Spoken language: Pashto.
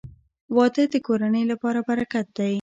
• واده د کورنۍ لپاره برکت دی.